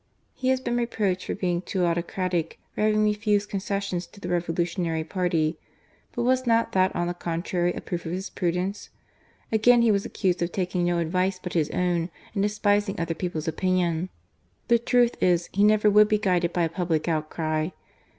He has been reproached for being too autocratic, for having refused concessions to the revolutionary party ; but was not that on the contrary a proof of his prudence ? Again he was accused of taking no advice but his own, and despising other people's opinion. The truth is, he never would be guided by a public outcry.